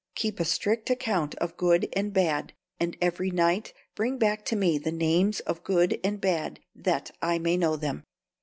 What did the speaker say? Keep a strict account of good and bad, and every night bring back to me the names of good and bad, that I may know them."